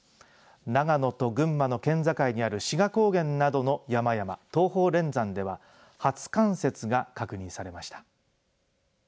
長野と群馬の県境にある志賀高原などの山々東方連山では初冠雪が確認されました。